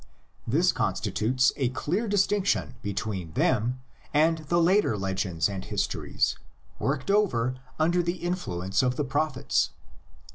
This constitutes a clear distinction between them and the later legends and histories worked over under the influence of the prophets.